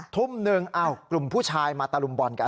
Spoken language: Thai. ทุ่มหนึ่งกลุ่มผู้ชายมาตะลุมบอลกัน